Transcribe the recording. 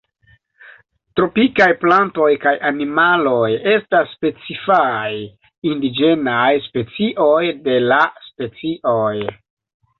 Tropikaj plantoj kaj animaloj estas specifaj indiĝenaj specioj de la specioj.